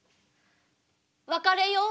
別れよう。